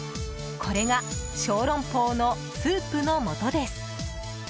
これが小龍包のスープのもとです。